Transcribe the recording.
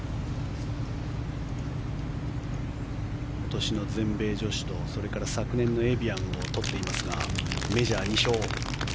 今年の全米女子とそれから昨年のエビアンを取っていますが、メジャー２勝。